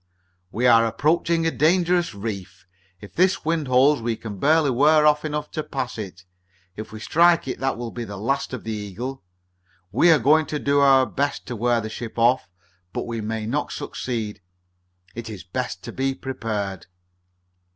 "We are approaching a dangerous reef. If this wind holds we can barely wear off enough to pass it. If we strike it that will be the last of the Eagle. We are going to do our best to wear the ship off, but we may not succeed. It is best to be prepared."